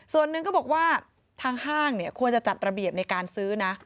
ส่วนหนึ่งก็บอกว่าทางห้างเนี่ยควรจะจัดระเบียบในการซื้อนะ